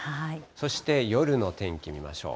そして夜の天気見ましょう。